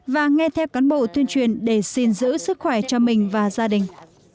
và nghe theo cán bộ tuyên truyền để xin giữ sức khỏe cho mình và gia đình